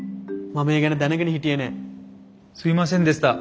すいませんでした。